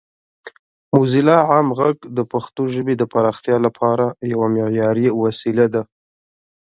موزیلا عام غږ د پښتو ژبې د پراختیا لپاره یوه معیاري وسیله ده.